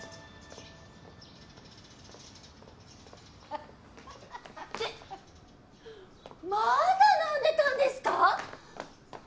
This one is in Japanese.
アハハハ！ってまだ飲んでたんですか！？